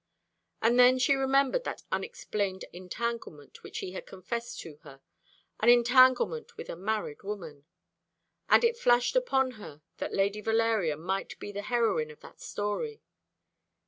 And then she remembered that unexplained entanglement which he had confessed to her an entanglement with a married woman and it flashed upon her that Lady Valeria might be the heroine of that story.